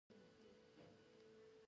د وطن اوبه خوږې دي.